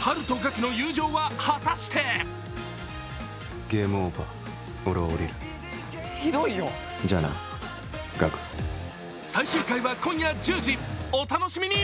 ハルとガクの友情は果たして最終回は今夜１０時、お楽しみに。